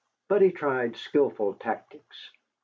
But he tried skilful tactics.